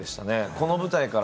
この舞台から。